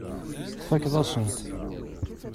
Tfakkeḍ-asen-t.